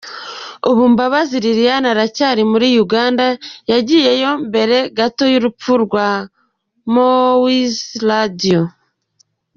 Ubu, Mbabazi Lilian aracyari muri Uganda, yagiyeyo mbere gato y’urupfu rwa Mowzey Radio.